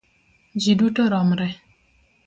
Ji duto romre